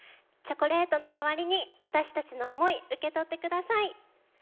チョコレートの代わりに私たちの思い受け取ってください。